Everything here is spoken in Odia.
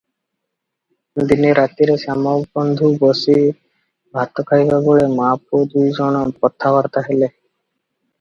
ଦିନେ ରାତିରେ ଶ୍ୟାମବନ୍ଧୁ ବସି ଭାତ ଖାଇବା ବେଳେ ମା’ ପୁଅ ଦୁଇ ଜଣ କଥାବାର୍ତ୍ତା ହେଲେ ।